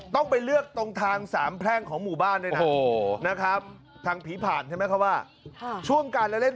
ถึงเที่ยงคืนอ่าเวลาได้เลย